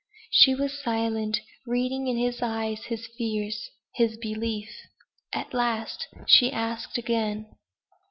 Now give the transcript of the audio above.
She was silent, reading in his eyes his fears his belief. At last she asked again.